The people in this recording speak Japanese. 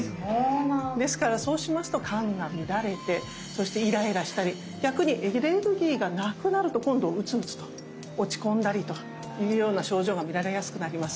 ですからそうしますと肝が乱れてそしてイライラしたり逆にエネルギーがなくなると今度鬱々と落ち込んだりというような症状が見られやすくなります。